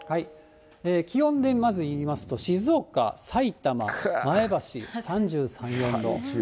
気温でまずいいますと、静岡、さいたま、３４度。